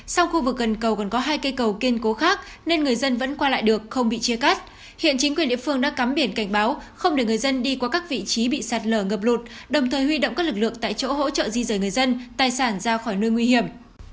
sau khu vực gần cầu còn có hai cây cầu kiên cố khác nên người dân vẫn qua lại được không bị chia cắt hiện chính quyền địa phương đã cắm biển cảnh báo không để người dân đi qua các vị trí bị sạt lở ngập lụt đồng thời huy động các lực lượng tại chỗ hỗ trợ di rời người dân tài sản ra khỏi nơi nguy hiểm